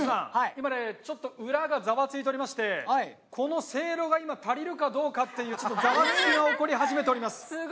今ちょっと裏がざわついてこのせいろが今足りるかどうかっていうざわつきが起こり始めております。